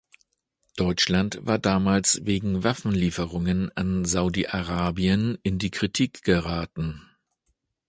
Deutschland war damals wegen Waffenlieferungen an Saudi-Arabien in die Kritik geraten.